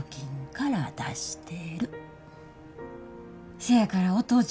せやからお父ちゃん